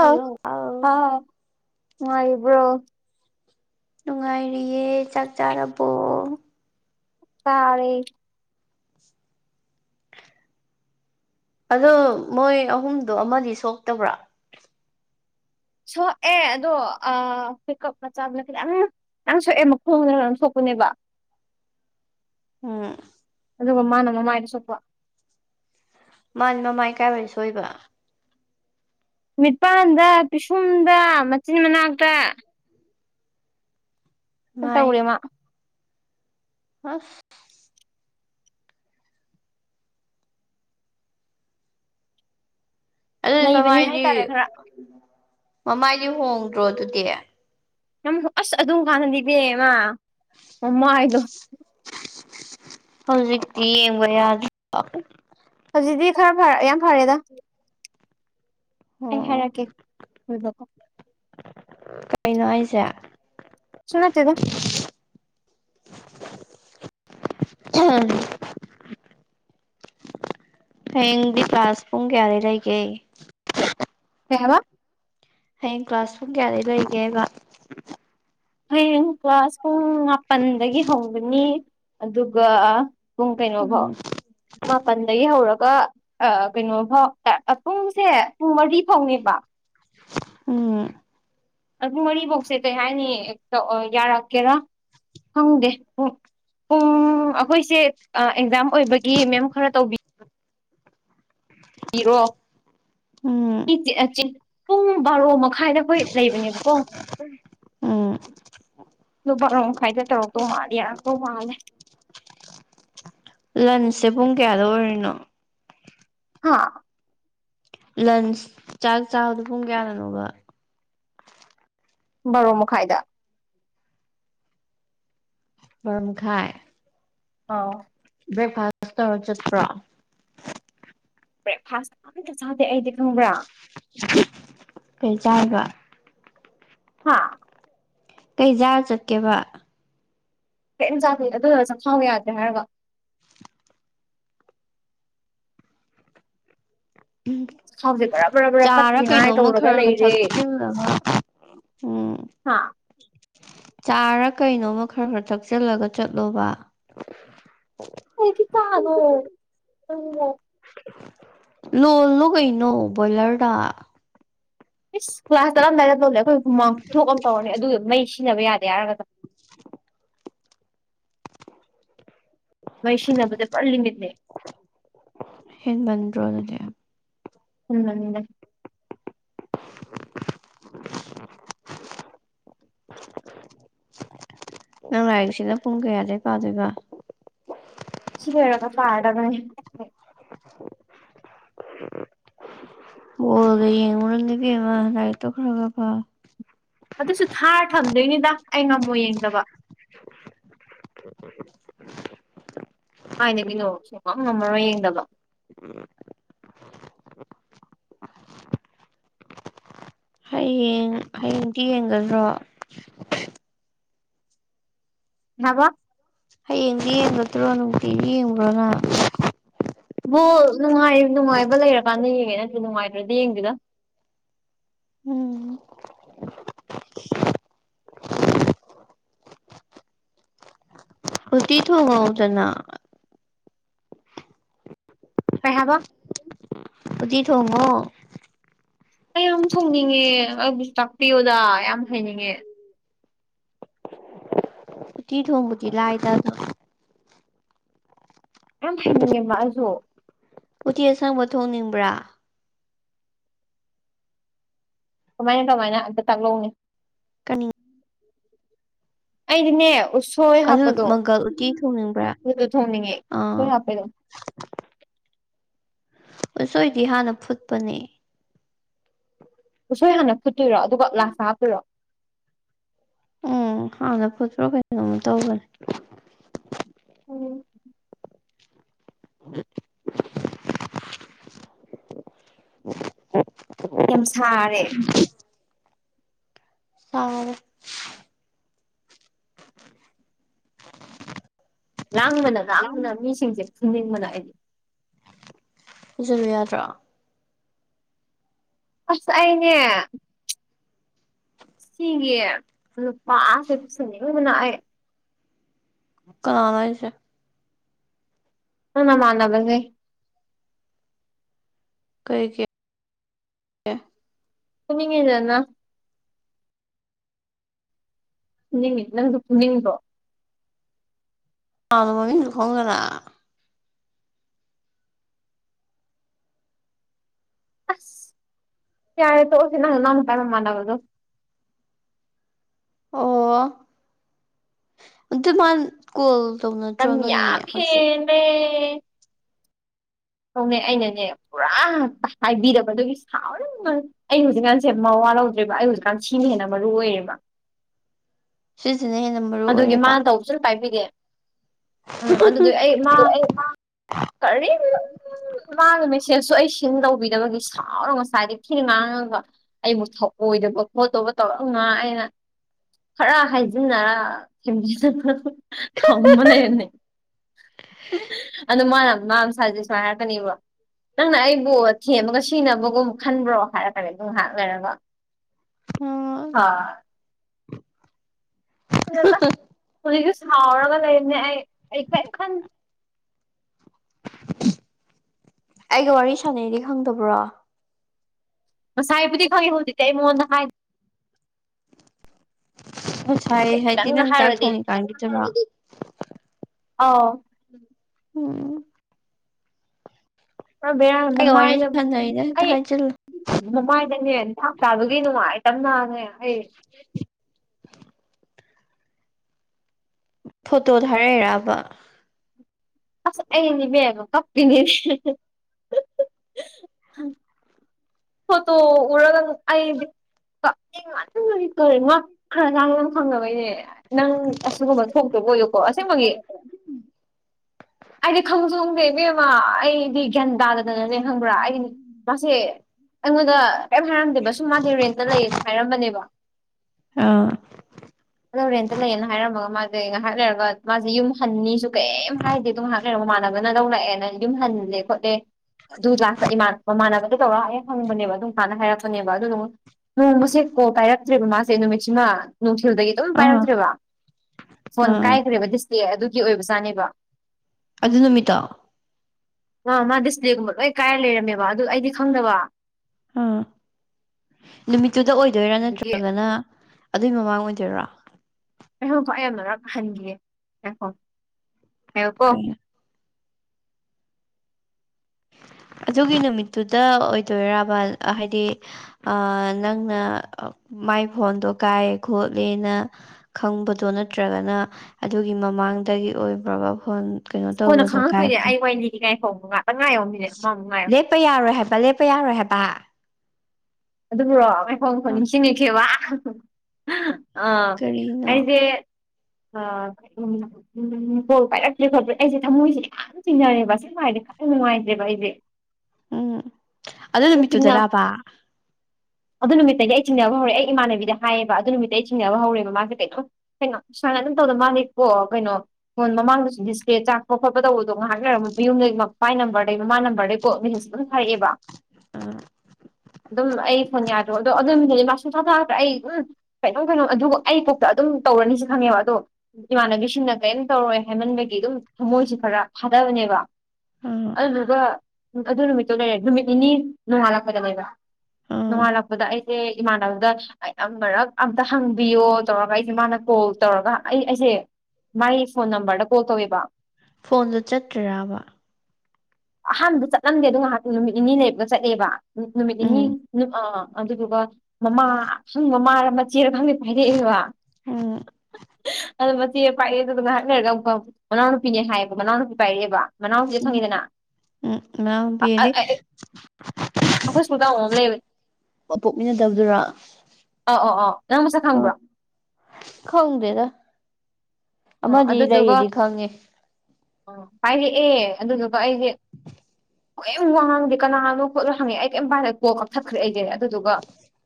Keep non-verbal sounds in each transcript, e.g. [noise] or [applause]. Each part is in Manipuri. ꯑ ꯑꯥꯎ ꯍ ꯉꯅꯨꯡꯉꯥꯏꯔꯤꯕ꯭ꯔꯣ [unintelligible] ꯅꯨꯡꯉꯥꯏꯔꯤꯌꯦ ꯆꯥꯛ ꯆꯥꯔꯕꯣ ꯇꯥꯔꯦ ꯑꯗꯣ ꯃꯣꯏ ꯑꯍꯨꯝꯗꯣ ꯑꯃꯗꯤ ꯁꯣꯛꯇꯕ꯭ꯔꯥ ꯁꯣꯛꯑꯦ ꯑꯗꯣ ꯄꯤꯀꯞ ꯃꯆꯥꯅ ꯈꯤꯇꯪ ꯁꯣꯛꯑꯦ ꯃꯈꯣꯡꯗꫪꯥ ꯀꯩꯅꯣꯝ ꯅꯦꯕ ꯎꯝ ꯑꯗꯨꯒ ꯃꯥꯅ ꯃꯃꯥꯏꯗ ꯁꯣꯛꯄ ꯃꯥꯗꯤ ꯃꯃꯥꯏ ꯀꯥꯏꯋꯥꯏꯗ ꯁꯣꯛꯢꯕ ꯅꯤꯠꯄꯥꯟꯗ ꯄꯤꯁꯨꯝꯗ ꯃꯆꯤꯟ ꯃꯅꯥꯛꯇ ꯃꯥꯏ ꯇꯧꯔꯩꯃ ꯑꯁ ꯑꯗꯨꯗꯤ ꯅꯩꯕꯅꯦ ꯃꯃꯥꯏꯗꯤ ꯍꯥꯏꯇꯥꯔꯦ ꯈꯥꯔ ꯃꯃꯥꯏꯗꯤ ꯍꯣꯡꯗ꯭ꯔꯣ ꯑꯗꯨꯗꯤ ꯌꯥꯝ ꯑꯁ ꯑꯗꯨ ꯀꯥꯟꯗꯗꯤ ꯢꯕꯦꯝꯃ ꯃꯃꯥꯢꯗꯣ꯫ ꯍꯧꯖꯤꯛꯇꯤ ꯌꯦꯡꯕ ꯌꯥꯗꯔꯦ ꯑꯗꯨꯗꯤ ꯈꯔ ꯐ ꯌꯥꯝ ꯐꯔꯦꯗ ꯑꯦ ꯍꯦꯔꯥ ꯑꯣ ꯀꯦ ꯍꯕꯀꯣ ꯀꯩꯅꯣ ꯍꯥꯏꯁꯦ ꯁꯅ ꯇꯦꯗ [inaudible] ꯍꯌꯦꯡꯗꯤ ꯀ꯭ꯂꯥꯁ ꯄꯨꯡ ꯀꯌꯥꯗ ꯂꯩꯒꯦ꯫ ꯀꯩ ꯍꯥꯢꯕ ꯍꯌꯦꯡ ꯀ꯭ꯂꯥꯁ ꯄꯨꯡ ꯀꯌꯥꯗꯒꯤ ꯂꯩꯒꯦꯕ ꯍꯌꯦꯡ ꯀ꯭ꯂꯥꯁ ꯄꯨꯡ ꯃꯥꯄꯜꯗꯒꯤ ꯍꯧꯒꯅꯤ ꯑꯗꯨꯒ ꯄꯨꯡ ꯀꯩꯅꯣꯐꯧ ꯎꯝ ꯃꯥꯄꯜꯗꯒꯤ ꯍꯧꯔꯛ ꯑ ꯑ ꯀꯩꯅꯣ ꯐꯥꯎ ꯄꯨꯡꯁꯦ ꯄꯨꯡ ꯃꯔꯤ ꯐꯥꯎꯅꯦꯕ꯫ ꯎꯝ ꯑꯗꯨꯨ ꯃꯔꯤꯐꯧꯁꯦ ꯀꯩ ꯍꯥꯏꯅꯤ ꯑ ꯌꯥꯔꯛꯀꯦꯔꯥ꯫ ꯈꯪꯗꯦ ꯄꯨꯡ ꯄꯨꯡ ꯑꯩꯈꯣꯏꯁꯦ ꯑꯦꯛꯖꯥꯝ ꯑꯣꯏꯕꯒꯤ ꯃꯦꯝ ꯈꯔ ꯇꯧꯕꯤ ꯐꯒꯤꯔꯣ ꯎꯝ ꯄꯨꯡ ꯕꯥꯔꯣ ꯍꯥꯏꯅ ꯑꯩꯈꯣꯏ ꯂꯩꯕꯅꯦꯕꯀꯣ ꯎꯝ ꯑꯗꯨ ꯕꯥꯔꯣ ꯃꯈꯥꯏꯗ ꯇꯧꯔꯛꯇꯧ ꯃꯥꯜꯂꯦ ꯌꯥꯔꯛꯇꯧ ꯃꯥꯜꯂꯦ ꯂꯟꯁꯁꯦ ꯄꯨꯡ ꯀꯌꯥꯗ ꯑꯣꯏꯔꯤꯅꯣ ꯍꯥ ꯂꯟꯁ ꯆꯥꯛ ꯆꯥꯕꯗꯣ ꯄꯨꯡ ꯀꯌꯥꯗꯅꯣꯕ ꯕꯥꯔꯣ ꯃꯈꯥꯏꯗ ꯕꯔꯣ ꯃꯈꯥꯏ ꯑꯥꯎ ꯕ꯭ꯔꯦꯛꯐꯥꯁ ꯇꯧꯔ ꯆꯠꯄ꯭ꯔꯣ ꯕ꯭ꯔꯦꯛꯐꯥꯁ ꯑꯃꯇ ꯆꯥꯗꯦ ꯑꯩꯗꯤ ꯈꯪꯕ꯭ꯔꯥ ꯀꯩ ꯆꯥꯢꯕ ꯍꯥꯥ ꯀꯩꯖꯥꯔ ꯆꯠꯀꯦꯕ ꯀ ꯆꯥꯅꯤ ꯑꯗꯨꯗꯨ ꯆꯪꯈꯥꯎꯕ ꯌꯥꯗꯦ ꯍꯥꯏꯔꯒ ꯎꯝ ꯆꯥꯛꯈꯥꯎꯁꯦ ꯕꯔꯥ ꯕꯔꯥ ꯕꯔꯥ ꯆꯥꯔ ꯄꯠꯅꯤꯡꯉꯥꯏ ꯀꯩꯅꯣꯝꯃ ꯇꯧꯔꯒ ꯈꯔꯒ ꯂꯩꯔꯦ ꯊꯛꯜꯂꯒ ꯎꯝ ꯍꯥ ꯆꯥꯔ ꯀꯩꯅꯣꯝꯃ ꯈꯔ ꯈꯔ ꯊꯛꯆꯜꯂꯒ ꯆꯠꯂꯣꯕ ꯑꯩꯒꯤ ꯀꯥꯗ ꯎ ꯂꯣꯜꯂꯣ ꯀꯩꯅꯣ ꯕꯣꯏꯂꯔꯗ ꯏꯁ ꯀ꯭ꯂꯥꯁ ꯆꯠꯂꯝꯗꯥꯏꯗ ꯇꯧꯔꯦ ꯑꯩꯈꯣꯏ ꯍꯨꯃꯥꯡ ꯄꯨꯊꯣꯛꯑ ꯑꯃ ꯇꯧꯔꯅꯤ ꯑꯗꯨ ꯃꯩ ꯁꯤꯖꯤꯟꯅꯕ ꯌꯥꯗꯦ ꯍꯥꯏꯔꯒꯗ [unintelligible] ꯃꯩꯁꯤꯅꯕꯗ ꯄꯨꯔꯥ ꯂꯤꯃꯤꯠꯅꯦ [unintelligible] ꯎꯝ ꯎꯦ [unintelligible] ꯅꯪ ꯂꯥꯏꯛꯁꯤꯅ ꯄꯨꯡ ꯀꯌꯥꯗ ꯀꯥꯗꯣꯏꯒ ꯁꯤꯔꯒ ꯄꯥꯒꯅꯤ [unintelligible] ꯑꯣ ꯑꯗꯨ ꯌꯦ ꯎꯔꯀꯃ ꯂꯥꯏ ꯇꯣ ꯀ꯭ꯔꯒ ꯄ ꯑꯗꯨꯁꯨ ꯊꯥꯔ ꯊꯝꯗꯣꯏꯅꯤꯗ ꯑꯩ ꯉꯝꯃꯣ ꯌꯦꯡꯗꯕ ꯊ ꯊꯥꯏꯅꯕꯤꯅꯣꯁꯦꯀꯣ ꯉꯝꯃꯔꯣ ꯌꯦꯡꯗꯕ ꯎꯝ ꯍꯌꯦꯡ ꯍꯌꯦꯡꯗꯤ ꯌꯦꯡꯒꯗ꯭ꯔꯣ ꯌꯥꯕ ꯍꯌꯦꯡꯗꯤ ꯌꯦꯡꯒꯗ꯭ꯔꯣ ꯅꯨꯡꯇꯤꯒꯤ ꯌꯦꯡꯕ꯭ꯔꯣꯅ ꯕꯣ ꯅꯨꯡꯉꯥꯏ ꯅꯨꯡꯉꯥꯏꯕ ꯂꯩꯔꯀꯥꯟꯗ ꯌꯦꯡꯉꯦ ꯅꯠꯇ ꯅꯨꯡꯉꯥꯏꯇ꯭ꯔꯗꯤ ꯌꯦꯡꯗꯗ ꯎꯝ ꯍꯧꯇꯤ ꯊꯉꯗꯅ ꯄꯩꯍꯕ ꯗꯤ ꯊꯉ ꯑꯩ ꯌꯥꯝ ꯊꯣꯡꯅꯤꯡꯉꯦ ꯑꯩꯕꯨꯁꯨ ꯇꯥꯛꯄꯤꯌꯨꯗ ꯌꯥꯝ ꯍꯩꯅꯤꯡꯉꯦ ꯆꯤ ꯊ ꯍꯣꯡꯗꯤꯂ ꯍꯥꯏ ꯑꯗꯨ ꯌꯥꯝ ꯍꯥꯏꯅꯤꯡꯉꯦ ꯃꯥ ꯑꯁꯨ ꯎꯇꯤ ꯑꯁꯪꯕ ꯊꯣꯡꯅꯤꯡꯕ꯭ꯔꯥ ꯀꯃꯥꯏꯅ ꯀꯃꯥꯏꯅ ꯑꯝꯇ ꯇꯥꯛꯍꯧꯅꯤ ꯀꯅꯤ ꯑꯩꯗꯤꯅꯦ ꯎꯁꯣꯏ ꯑꯗꯨ ꯍꯥꯞꯄꯗꯣ ꯃꯪꯒꯜ ꯎꯇꯤ ꯊꯣꯡꯅꯤꯡꯕ꯭ꯔꯥ ꯎꯁꯣꯏꯗꯣ ꯊꯣꯡꯅꯤꯡꯉꯦ ꯑꯥ ꯎꯁꯣꯏ ꯍꯥꯞꯄꯩꯗꯣ ꯎꯁꯣꯏꯗꯤ ꯍꯥꯟꯅ ꯐꯨꯠꯄꯅꯦ ꯎꯠꯁꯣꯏ ꯍꯥꯟꯅ ꯐꯨꯠꯇꯣꯏꯔꯣ ꯑꯗꯨꯒ ꯂꯥꯁ ꯍꯥꯞꯄꯤꯔꯣ ꯎꯝ ꯍꯥꯟꯅ ꯐꯣꯠꯇ꯭ꯔꯣ ꯀꯩꯅꯣꯃꯨ ꯇꯧꯕꯅꯤ ꯎꯝ [unintelligible] ꯌꯥꯝ ꯁꯥꯔꯦ ꯆꯥꯎꯔ ꯉꯥꯡꯕꯅ ꯉꯥꯡꯕꯅ ꯃꯤꯁꯤꯡꯁꯦ ꯐꯨꯅꯤꯡꯕꯅ ꯑꯩꯗꯤ ꯖꯂꯨ ꯌꯥꯗ꯭ꯔꯣ ꯑꯁ ꯑꯩꯅꯦ ꯁꯤꯒꯤ ꯅꯨꯨꯄꯥꯁꯦ ꯄꯨꯁꯟꯅꯤꯡꯅ ꯑꯩ ꯀꯥꯂꯏꯁ ꯑꯅ ꯃꯥ ꯅꯕꯒꯦ ꯀꯩ ꯀꯌꯥ ꯀꯃꯤꯉꯖꯅꯥ ꯅꯤꯡꯉ ꯅꯪꯁꯨ ꯄꯨꯅꯤꯡꯕꯣ ꯑꯗꯨ ꯃꯃꯤꯀꯒꯗ ꯑꯁ ꯌꯥꯔꯦ ꯇꯁꯤ ꯅꯪ ꯅꯃꯨ ꯀꯥꯏꯔ ꯃꯥꯗꯕꯗꯣ ꯑꯣ ꯑꯗꯤ ꯃꯥꯥꯟ ꯀꯣꯜ ꯇꯧꯅꯗ꯭ꯔꯣ ꯅꯌꯥ ꯅꯣꯏꯅꯦ ꯍꯧꯖꯤꯛ ꯈꯦꯅꯦꯦ ꯧꯅꯦ ꯑꯩꯅꯅꯦ ꯄꯨꯔꯥ ꯍꯥꯏꯕꯤꯗꯕ ꯑꯗꯨꯒꯤ ꯁꯥꯎꯔ ꯑꯩ ꯍꯧꯖꯤꯛꯀꯥꯟꯁꯦ ꯂꯧꯗ꯭ꯔꯦꯕ ꯑꯩ ꯍꯧꯖꯤꯛꯀꯥꯟ ꯁꯤꯅ ꯍꯦꯟꯅ ꯃꯔꯨ ꯑꯣꯏꯌꯦꯦꯕ [unintelligible] ꯍꯦꯟꯅ ꯃꯔꯨ ꯑꯗꯨꯒꯤ ꯑꯣꯏꯔꯦꯕ ꯃꯥꯅ ꯇꯧꯕꯁꯨ ꯑꯗꯨ ꯄꯥꯏꯕꯤꯒꯦ ꯎꯝ ꯑꯗꯨꯗꯤ ꯑꯩ ꯃꯥ ꯀꯔꯤ ꯃꯥ ꯅꯨꯃꯤꯠ ꯁꯦꯁꯨ ꯑꯩ ꯁꯤꯟ ꯇꯧꯕꯤꯗꯕꯒꯤ ꯁꯥꯎꯔ ꯉꯁꯥꯏꯗꯤ ꯈꯤꯠ ꯉꯥꯡꯉꯒ ꯑꯩꯕꯨ ꯊꯛꯑꯣꯏꯗꯕ ꯈꯣꯠꯇꯕ ꯇꯧꯔꯛ ꯑꯩꯅ ꯈꯔ ꯍꯥꯏꯖꯤꯟꯅꯔ ꯑꯃꯝꯕ ꯂꯩꯔꯅꯤ ꯑꯗ ꯃꯥꯅ ꯃꯥꯝ ꯁꯥꯖ ꯁ ꯍꯥꯏꯛꯇꯅꯤꯕ ꯅꯪꯅ ꯑꯩꯕꯨ ꯊꯦꯝꯃꯒ ꯁꯤꯅꯕꯒꯨꯝ ꯈꯟꯕ꯭ꯔꯣ ꯍꯥꯏꯔꯛꯀꯅꯤ ꯑꯗꯨꯝ ꯉꯥꯏꯍꯥꯛ ꯂꯩꯔꯒ ꯑꯥ ꯍꯧꯖꯤꯛꯁꯨ ꯁꯥꯎꯔꯒ ꯂꯩꯕꯅꯦ ꯑꯩ ꯑꯩ ꯈꯟ ꯑꯩꯒ ꯋꯥꯔꯤ ꯁꯥꯟꯅꯩꯗꯤ ꯈꯪꯗꯕ꯭ꯔꯣ ꯁꯥꯏꯕꯨꯨꯗꯤ ꯈꯔꯤ ꯍꯧꯗꯤ ꯇ ꯃꯣꯟ ꯍꯥꯏ ꯉꯁꯥꯏ ꯍꯥꯏꯗꯤ ꯈꯤꯇꯪꯒ ꯅꯪ ꯆꯥꯛ ꯍꯥꯏꯔꯨꯔꯗꯤ ꯊꯣꯡꯉꯤꯀꯥꯟꯒꯤꯗꯔꯣ ꯑ ꯎꯝ ꯕ ꯑꯩꯒ ꯃꯃ ꯋꯥꯔꯤ ꯍꯥꯏꯗ ꯁꯥꯟꯅꯔꯤꯅꯦ ꯍꯦꯛꯇ ꯑꯩ ꯍꯥꯏꯖꯤꯜꯂꯨ ꯎ ꯃꯃꯥꯏꯗꯅꯦ ꯊꯥꯛ ꯆꯥꯕꯒꯤ ꯅꯨꯡꯉꯥꯏ ꯇꯞꯅꯅꯦ ꯑꯩ [unintelligible] ꯐꯣꯇꯣ ꯊꯔꯦꯔꯕ ꯑꯁ ꯑꯅꯤ ꯒ ꯀꯞꯄꯤꯅꯤ ꯍ ꯇꯣ ꯎꯔꯒ ꯑ ꯀꯛ ꯉꯥꯛ ꯇꯧꯔꯦ ꯉꯥꯛ ꯈ꯭ꯔ ꯉꯥꯡꯅꯝ ꯐꯪꯅꯕꯩꯅꯦ ꯅꯪ ꯑꯁꯤꯒꯨꯝꯕ ꯊꯣꯛꯇꯕ ꯑꯣꯏꯌꯨꯀꯣ ꯑꯁꯦꯡꯕꯒꯤ ꯍꯥꯏꯗꯤ ꯈꯪꯁꯨ ꯈꯪꯗꯦ ꯏꯕꯦꯝꯃ ꯑꯩꯗꯤ ꯒ꯭ꯌꯥꯟ ꯇꯥꯗꯗꯅꯅꯦ ꯈꯪꯕ꯭ꯔꯥ ꯑꯩ ꯃꯥꯁꯦ ꯑꯩꯉꯣꯟꯗ ꯀꯔꯤꯝ ꯍꯥꯏꯔꯝꯗꯦꯕ ꯁꯨꯝ ꯃꯥꯗꯦ ꯔꯦꯟꯇ ꯂꯩꯌꯦ ꯍꯥꯏꯔꯝꯕꯅꯦꯕ ꯑꯥ ꯑꯗꯣ ꯔꯦꯟꯇ ꯂꯩꯌꯦꯅ ꯍꯥꯏꯔꯝꯃꯒ ꯃꯥꯁꯦ ꯉꯥꯏꯍꯥꯛ ꯂꯩꯔꯒ ꯃꯥꯁꯦ ꯌꯨꯝ ꯍꯟꯅꯤ ꯁ ꯀꯦꯝ ꯍꯥꯏꯗꯤꯦ ꯑꯗꯨꯝ ꯍꯥꯏꯥꯛ ꯂꯩꯔꯝ ꯃꯥꯟꯅꯕ ꯅ ꯂꯧꯔꯛꯑꯦꯅ ꯌꯨꯝ ꯍꯜꯂꯦ ꯈꯣꯠꯂꯦ ꯑꯗꯨ ꯂꯥꯁ ꯃꯃꯥꯟꯅꯕꯗ ꯇꯧꯔꯛꯑꯦ ꯐꯪꯕꯅꯦꯕ ꯑꯗꯨꯝ ꯀꯥꯟꯅ ꯍꯥꯏꯔꯛꯄꯅꯦꯕ ꯑꯗꯨꯗꯨ ꯅꯣꯡꯃꯁꯦ ꯀꯣ ꯀꯥꯏꯔꯛꯇ꯭ꯔꯦꯕ ꯃꯥꯁꯦ ꯅꯨꯃꯤꯠꯁꯤꯃ ꯊꯤꯜꯗꯒꯤ ꯑꯗꯨꯝ ꯑꯥ ꯄꯥꯏꯔꯛꯇ꯭ꯔꯦꯕ ꯐꯣꯟ ꯑꯥ ꯀꯥꯏꯈ꯭ꯔꯦꯕ ꯗꯤꯁꯄ꯭ꯂꯦ ꯑꯗꯨꯒꯤ ꯑꯣꯏꯕꯖꯥꯅꯦꯕ ꯑꯗꯨ ꯅꯨꯃꯤꯠꯇ ꯑ ꯃꯥ ꯗꯤꯁꯄ꯭ꯂꯦꯒꯨꯝꯕ ꯂꯣꯏ ꯀꯥꯏꯔ ꯂꯩꯔꯝꯃꯦꯕ ꯑꯗꯨ ꯑꯩꯗꯤ ꯈꯪꯗꯕ ꯑꯥ ꯅꯨꯃꯤꯠꯇꯨꯗ ꯑꯣꯏꯗꯣꯏꯔꯥ ꯑꯗꯨꯒꯤ ꯅꯠꯇ꯭ꯔꯒꯅ ꯑꯗꯨꯏ ꯃꯃꯥꯡ ꯑꯣꯏꯗꯣꯏꯔꯣ ꯑꯩꯍꯣꯀ ꯌꯥꯝꯅꯔꯞ ꯍꯟꯈꯤꯌꯦ ꯑꯩꯍꯣ ꯍꯡ ꯀꯣ ꯀꯩꯅꯣ [unintelligible] ꯑꯗꯨꯒꯤ ꯅꯨꯃꯤꯠꯇꯨꯗ ꯑꯣꯏꯗꯣꯏꯕ ꯍꯥꯏꯗꯤ ꯅꯪꯅ ꯃꯥꯏ ꯐꯣꯟꯗꯣ ꯀꯥꯏꯑꯦ ꯈꯣꯠꯂꯦꯅ ꯈꯪꯕꯗꯣ ꯅꯠꯇ꯭ꯔꯒꯅ ꯑꯗꯨꯒꯤ ꯃꯃꯥꯡ ꯒꯤ ꯑꯣꯏꯕ꯭ꯔꯒ ꯐꯣꯟ ꯀꯩꯅꯣ ꯀꯣꯟꯅ ꯇꯧꯕꯗꯣ ꯈꯪꯉꯛꯇꯣꯏꯅꯦ ꯀꯥꯏꯕꯗꯣ ꯑꯩ ꯋꯥꯔꯤ ꯂꯤꯔꯤ ꯉꯥꯏꯈꯣ ꯉꯥꯛꯇꯪ ꯉꯥꯏꯌꯣ ꯃꯤꯅꯤꯠ ꯑꯃꯃꯨꯛ ꯉꯥꯏꯌꯣ ꯂꯦꯞꯄ ꯌꯥꯔꯣꯏ ꯍꯥꯏꯕ ꯂꯦꯞꯄ ꯌꯥꯔꯣꯏ ꯍꯥꯏꯕ ꯑꯗꯨꯕꯨꯔꯣ ꯑꯩꯈꯣꯡ ꯐꯣꯟ ꯑ ꯅꯤꯡꯁꯤꯡꯉꯈꯤꯕꯕ ꯑꯥ ꯀꯔꯤꯅꯣ ꯑꯩꯁꯦ ꯎ ꯎꯝ ꯀꯣꯜ ꯄꯥꯏꯔꯛꯇ꯭ꯔꯦ ꯈꯣꯠꯄ꯭ꯔꯦ ꯑꯩꯁꯦ ꯊꯃꯣꯏꯁꯦ ꯌꯥꯝ ꯆꯤꯡꯅꯔꯦꯕ ꯁꯤ ꯁꯨꯃꯥꯏꯅ ꯅꯨꯡꯉꯥꯏꯗꯦꯕꯏꯗꯦ ꯎꯝ ꯑꯗꯨ ꯆꯤꯡꯅ ꯅꯨꯃꯤꯠꯇꯨꯗꯔꯥꯕ ꯑꯗꯨ ꯅꯨꯃꯤꯠꯇꯗꯤ ꯑꯩ ꯆꯤꯡꯅꯕ ꯍꯧꯔꯑꯦ ꯑꯩ ꯏꯃꯥꯟꯅꯕꯤꯗ ꯍꯥꯏꯌꯦꯕ ꯑꯗꯨ ꯅꯨꯃꯤꯠꯇ ꯑꯩ ꯆꯤꯡꯅꯕ ꯍꯧꯔꯛꯦꯕ ꯃꯥꯁꯦ ꯀꯩꯅꯣꯝ ꯀꯩꯅꯣ ꯁꯨꯃꯥꯏꯅ ꯑꯗꯨꯝ ꯇꯧꯗ ꯃꯥꯜꯂꯤꯀꯣ ꯀꯩꯅꯣ ꯐꯣꯟ ꯃꯃꯥꯡꯗꯁꯨ ꯗꯤꯁꯄ꯭ꯂꯦ ꯆꯥꯛꯄ ꯈꯣꯠꯄ ꯇꯧꯕꯗꯣ ꯉꯥꯏꯍꯥꯛ ꯂꯩꯔꯝꯝꯕꯁꯨ ꯌꯨꯝ ꯄꯥꯏ ꯅꯝꯕꯔꯗꯩ ꯃꯃꯥ ꯅꯝꯕꯔꯗꯩꯀꯣ ꯃꯦꯁꯦꯁꯦ ꯑꯗꯨꯝ ꯍꯥꯏꯔꯛꯑꯦꯕ ꯑ ꯑꯗꯨꯝ ꯑꯩ ꯐꯣꯟ ꯌꯥꯗ꯭ꯔꯣ ꯑꯗꯣ ꯑꯗꯨꯝꯗꯤ ꯃꯥꯁꯨ ꯊꯥꯊꯥꯛꯇ꯭ꯔꯥ ꯑꯩ ꯑꯗꯨꯝ ꯀꯩꯅꯣꯝ ꯀꯩꯅꯣꯝ ꯑꯗꯨ ꯑꯩ ꯀꯣꯛꯇ ꯑꯗꯨꯝ ꯇꯧꯔꯅꯤꯁꯨ ꯈꯪꯉꯦꯕ ꯑꯗꯣ ꯏꯃꯥꯟꯅꯕꯤꯁꯤꯡꯅ ꯀꯔꯤꯝꯇ ꯇꯧꯔꯣꯏ ꯍꯥꯏꯃꯟꯕꯒꯤ ꯑꯗꯨꯝ ꯊꯝꯃꯣꯏꯁ ꯈꯔ ꯊꯥꯗꯕꯅꯦꯕ ꯎꯝ ꯑꯗꯨꯗꯨꯒ ꯑꯗꯨ ꯅꯨꯃꯤꯠꯇꯨ ꯂꯩꯔꯦ ꯅꯨꯃꯤꯠ ꯅꯤꯅꯤ ꯅꯣꯡꯉꯥꯜꯂꯛꯄꯗ ꯂꯩꯕ꯭ꯔꯥ ꯎꯝ ꯅꯣꯡꯉꯥꯜꯂꯛꯄꯗ ꯑꯩꯁꯦ ꯏꯃꯥꯟꯅꯕꯗ ꯑꯩ ꯑꯃ ꯃꯔꯛ ꯑꯝꯇ ꯍꯪꯕꯤꯌꯣ ꯇꯧꯔꯒ ꯑꯩꯁꯦ ꯃꯥꯅ ꯀꯣꯜ ꯇꯧꯔꯒ ꯑꯩ ꯑꯩꯁꯦ ꯃꯥꯏ ꯐꯣꯟ ꯅꯝꯕꯔꯗ ꯀꯣꯜ ꯇꯧꯋꯦꯕ ꯐꯣꯟꯗꯨ ꯆꯠꯇ꯭ꯔꯕ ꯑꯍꯥꯟꯕꯗ ꯆꯠꯂꯝꯗꯦ ꯑꯗꯨꯗꯣ ꯉꯥꯏꯍꯥꯛꯇ ꯅꯨꯃꯤꯠ ꯅꯤꯅꯤ ꯂꯩꯔꯨꯒ ꯆꯠꯂꯦꯕ ꯅꯨꯃꯤꯠ ꯅꯤꯅꯤ ꯎꯝ ꯑꯥ ꯑꯗꯨꯗꯨꯒ ꯃꯃꯥ ꯈꯪ ꯃꯃꯥꯔ ꯃꯆꯦꯔ ꯈꯪꯗꯦ ꯐꯥꯏꯔꯛꯑꯦꯕ ꯎꯝ ꯑꯗꯣ ꯃꯆꯦ ꯄꯥꯏꯛꯑꯦ ꯑꯗꯨꯒ ꯍꯥꯏꯞꯅꯔꯒ ꯑꯃꯨꯛ ꯃꯅꯥꯎꯅꯨꯄꯤꯅꯦ ꯍꯥꯏꯌꯦꯕ ꯃꯅꯥꯎꯅ ꯅꯨꯄꯤ ꯄꯥꯏꯔꯛꯑꯦꯕ ꯃꯅꯥꯎꯁꯦ ꯎꯝ ꯐꯪꯉꯤꯗꯅ ꯎꯝ ꯏꯅꯥꯎꯄꯤ ꯑꯗꯩ ꯑꯩꯈꯣꯏ ꯁꯗꯥꯡ ꯑꯃ ꯂꯩꯕꯅꯦ ꯄꯣꯛꯃꯤꯅꯗꯕꯗꯨꯔꯥ ꯑꯧ ꯑꯧ ꯑꯧ ꯅꯪ ꯃꯁꯛ ꯍ ꯈꯪꯕ꯭ꯔꯣ ꯈꯥꯎꯗꯦꯗ ꯑꯣ ꯑꯗꯨꯗꯨꯒ ꯑ ꯍꯥꯏꯥꯏꯔꯛꯑꯦ ꯑꯗꯨꯗꯨꯒ ꯑꯩꯁꯦ ꯀ ꯋꯥꯉꯥꯡꯗꯦ ꯀꯅꯥꯒꯅꯣ ꯈꯣꯠꯂꯣ ꯍꯪꯉꯦ ꯑꯩ ꯀꯩꯝ ꯄꯥꯏꯅ ꯀꯣꯜ ꯀꯛꯊꯠꯈ꯭ꯔꯦ ꯑꯩꯁꯦ ꯑꯗꯨꯗꯨꯒ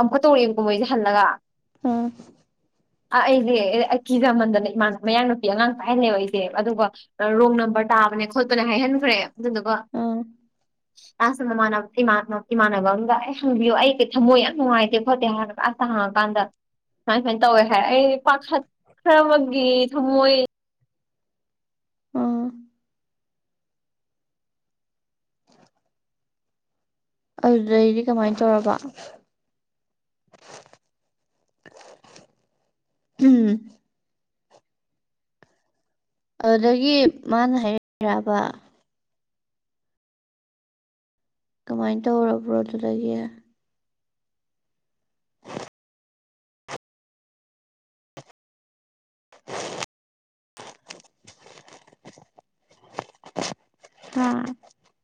ꯑꯃꯨꯛꯀ ꯇꯧꯔꯦꯕꯀꯨꯝ ꯃꯩꯁꯦ ꯍꯜꯂꯒ ꯑꯥ ꯑ ꯏꯗꯤꯦ ꯀꯤꯖ ꯃꯟꯗꯅꯤ ꯃꯥ ꯃꯌꯥꯡ ꯅꯨꯄꯤ ꯑꯉꯥꯡ ꯄꯥꯏꯍꯜꯂꯦꯕ ꯑꯩꯁꯦ ꯑꯗꯨꯒ ꯔꯣꯡ ꯅꯝꯕꯔ ꯇꯥꯕꯅꯦ ꯈꯣꯠꯄꯅ ꯍꯥꯏꯍꯟꯈ꯭ꯔꯦ ꯑꯗꯨꯗꯨꯀꯣ ꯎꯝ ꯑꯁꯃꯥꯟ ꯏꯃꯥꯟꯅꯕ ꯑꯝꯒ ꯑꯩ ꯍꯪꯕꯤꯌꯨ ꯑꯩ ꯀꯩ ꯊꯃꯣꯏ ꯌꯥꯝ ꯅꯨꯡꯉꯥꯏꯇꯦ ꯈꯣꯠꯇꯦ ꯑ ꯀꯥꯟꯗ ꯁꯨꯃꯥꯏ ꯁꯨꯃꯥꯏꯅ ꯇꯧꯋꯦ ꯍꯥꯏ ꯑꯩ ꯄꯥꯈꯠꯈ꯭ꯔꯕꯒꯤ ꯊꯝꯃꯣꯏ ꯎꯝ ꯑꯗꯨꯗꯩꯗꯤ ꯀꯃꯥꯏꯅ ꯇꯧꯔꯕ ꯎꯝ ꯑꯗꯨꯗꯒꯤ ꯃꯥꯅ ꯍꯥꯏꯔꯕ ꯀꯃꯥꯏꯅ ꯇꯧꯔꯕ꯭ꯔꯣ ꯑꯗꯨꯗꯒꯤ [inaudible] ꯍꯥ